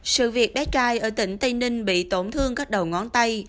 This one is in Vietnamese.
sự việc bé trai ở tỉnh tây ninh bị tổn thương các đầu ngón tay